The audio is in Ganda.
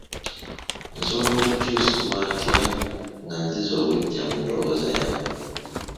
Nsobola kukyusibwa ntya nga nziza obuggya mu ndowooza yange?